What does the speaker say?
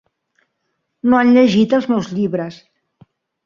No han llegit els meus llibres.